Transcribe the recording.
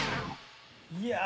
いや。